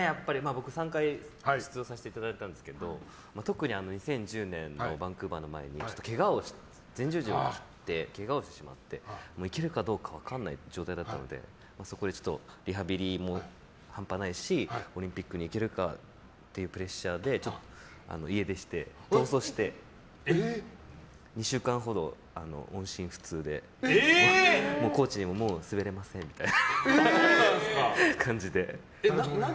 僕、３回出場させていただいたんですけど特に２０１０年のバンクーバーの前に前十字を切ってけがをしてしまって行けるかどうか分からない状態だったのでそこで、リハビリもハンパないしオリンピックに行けるかというプレッシャーで家出して逃走して、２週間ほど音信不通でコーチにももう滑れませんって感じで。